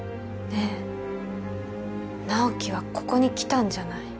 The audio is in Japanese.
え直木はここに来たんじゃない？